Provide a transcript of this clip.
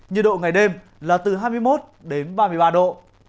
nhiệt độ ngày đêm là từ hai mươi một đến ba mươi ba độ